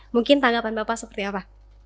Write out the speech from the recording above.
mungkin tanggapan bapak seperti apa